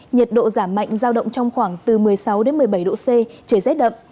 nhiệt độ giảm mạnh giao động trong khoảng từ một mươi sáu đến một mươi bảy độ c trời rét đậm